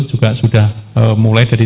juga sudah mulai dari